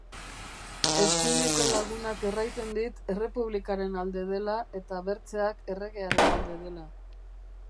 Eskuineko lagunak erraiten dit errepublikaren alde dela eta bertzeak Erregearen alde dela.